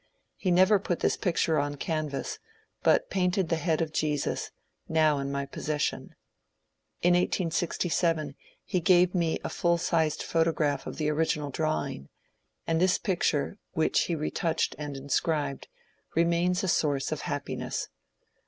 He never put tlus picture on canvas, but painted the head of Jesus, now in my pos session. In 1867 he gave me a full sized photograph of the original drawing ; and this picture, which he retouched and inscribed, remains a source of happiness.